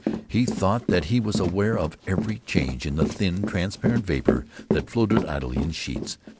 He thought that he was aware of every change in the thin, transparent vapor that floated idly in sheets.